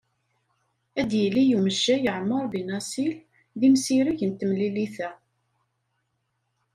Ad yili umejjay Ɛmar Benassil d imsireg n temlilit-a.